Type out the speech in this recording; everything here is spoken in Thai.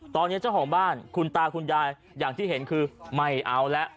ตอนนี้เจ้าของบ้านคุณตาคุณยายอย่างที่เห็นคือไม่เอาแล้ว